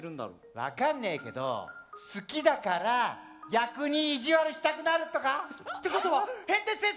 分かんねえけど好きだから逆に意地悪したくなるとか？ってことはへんてつ先生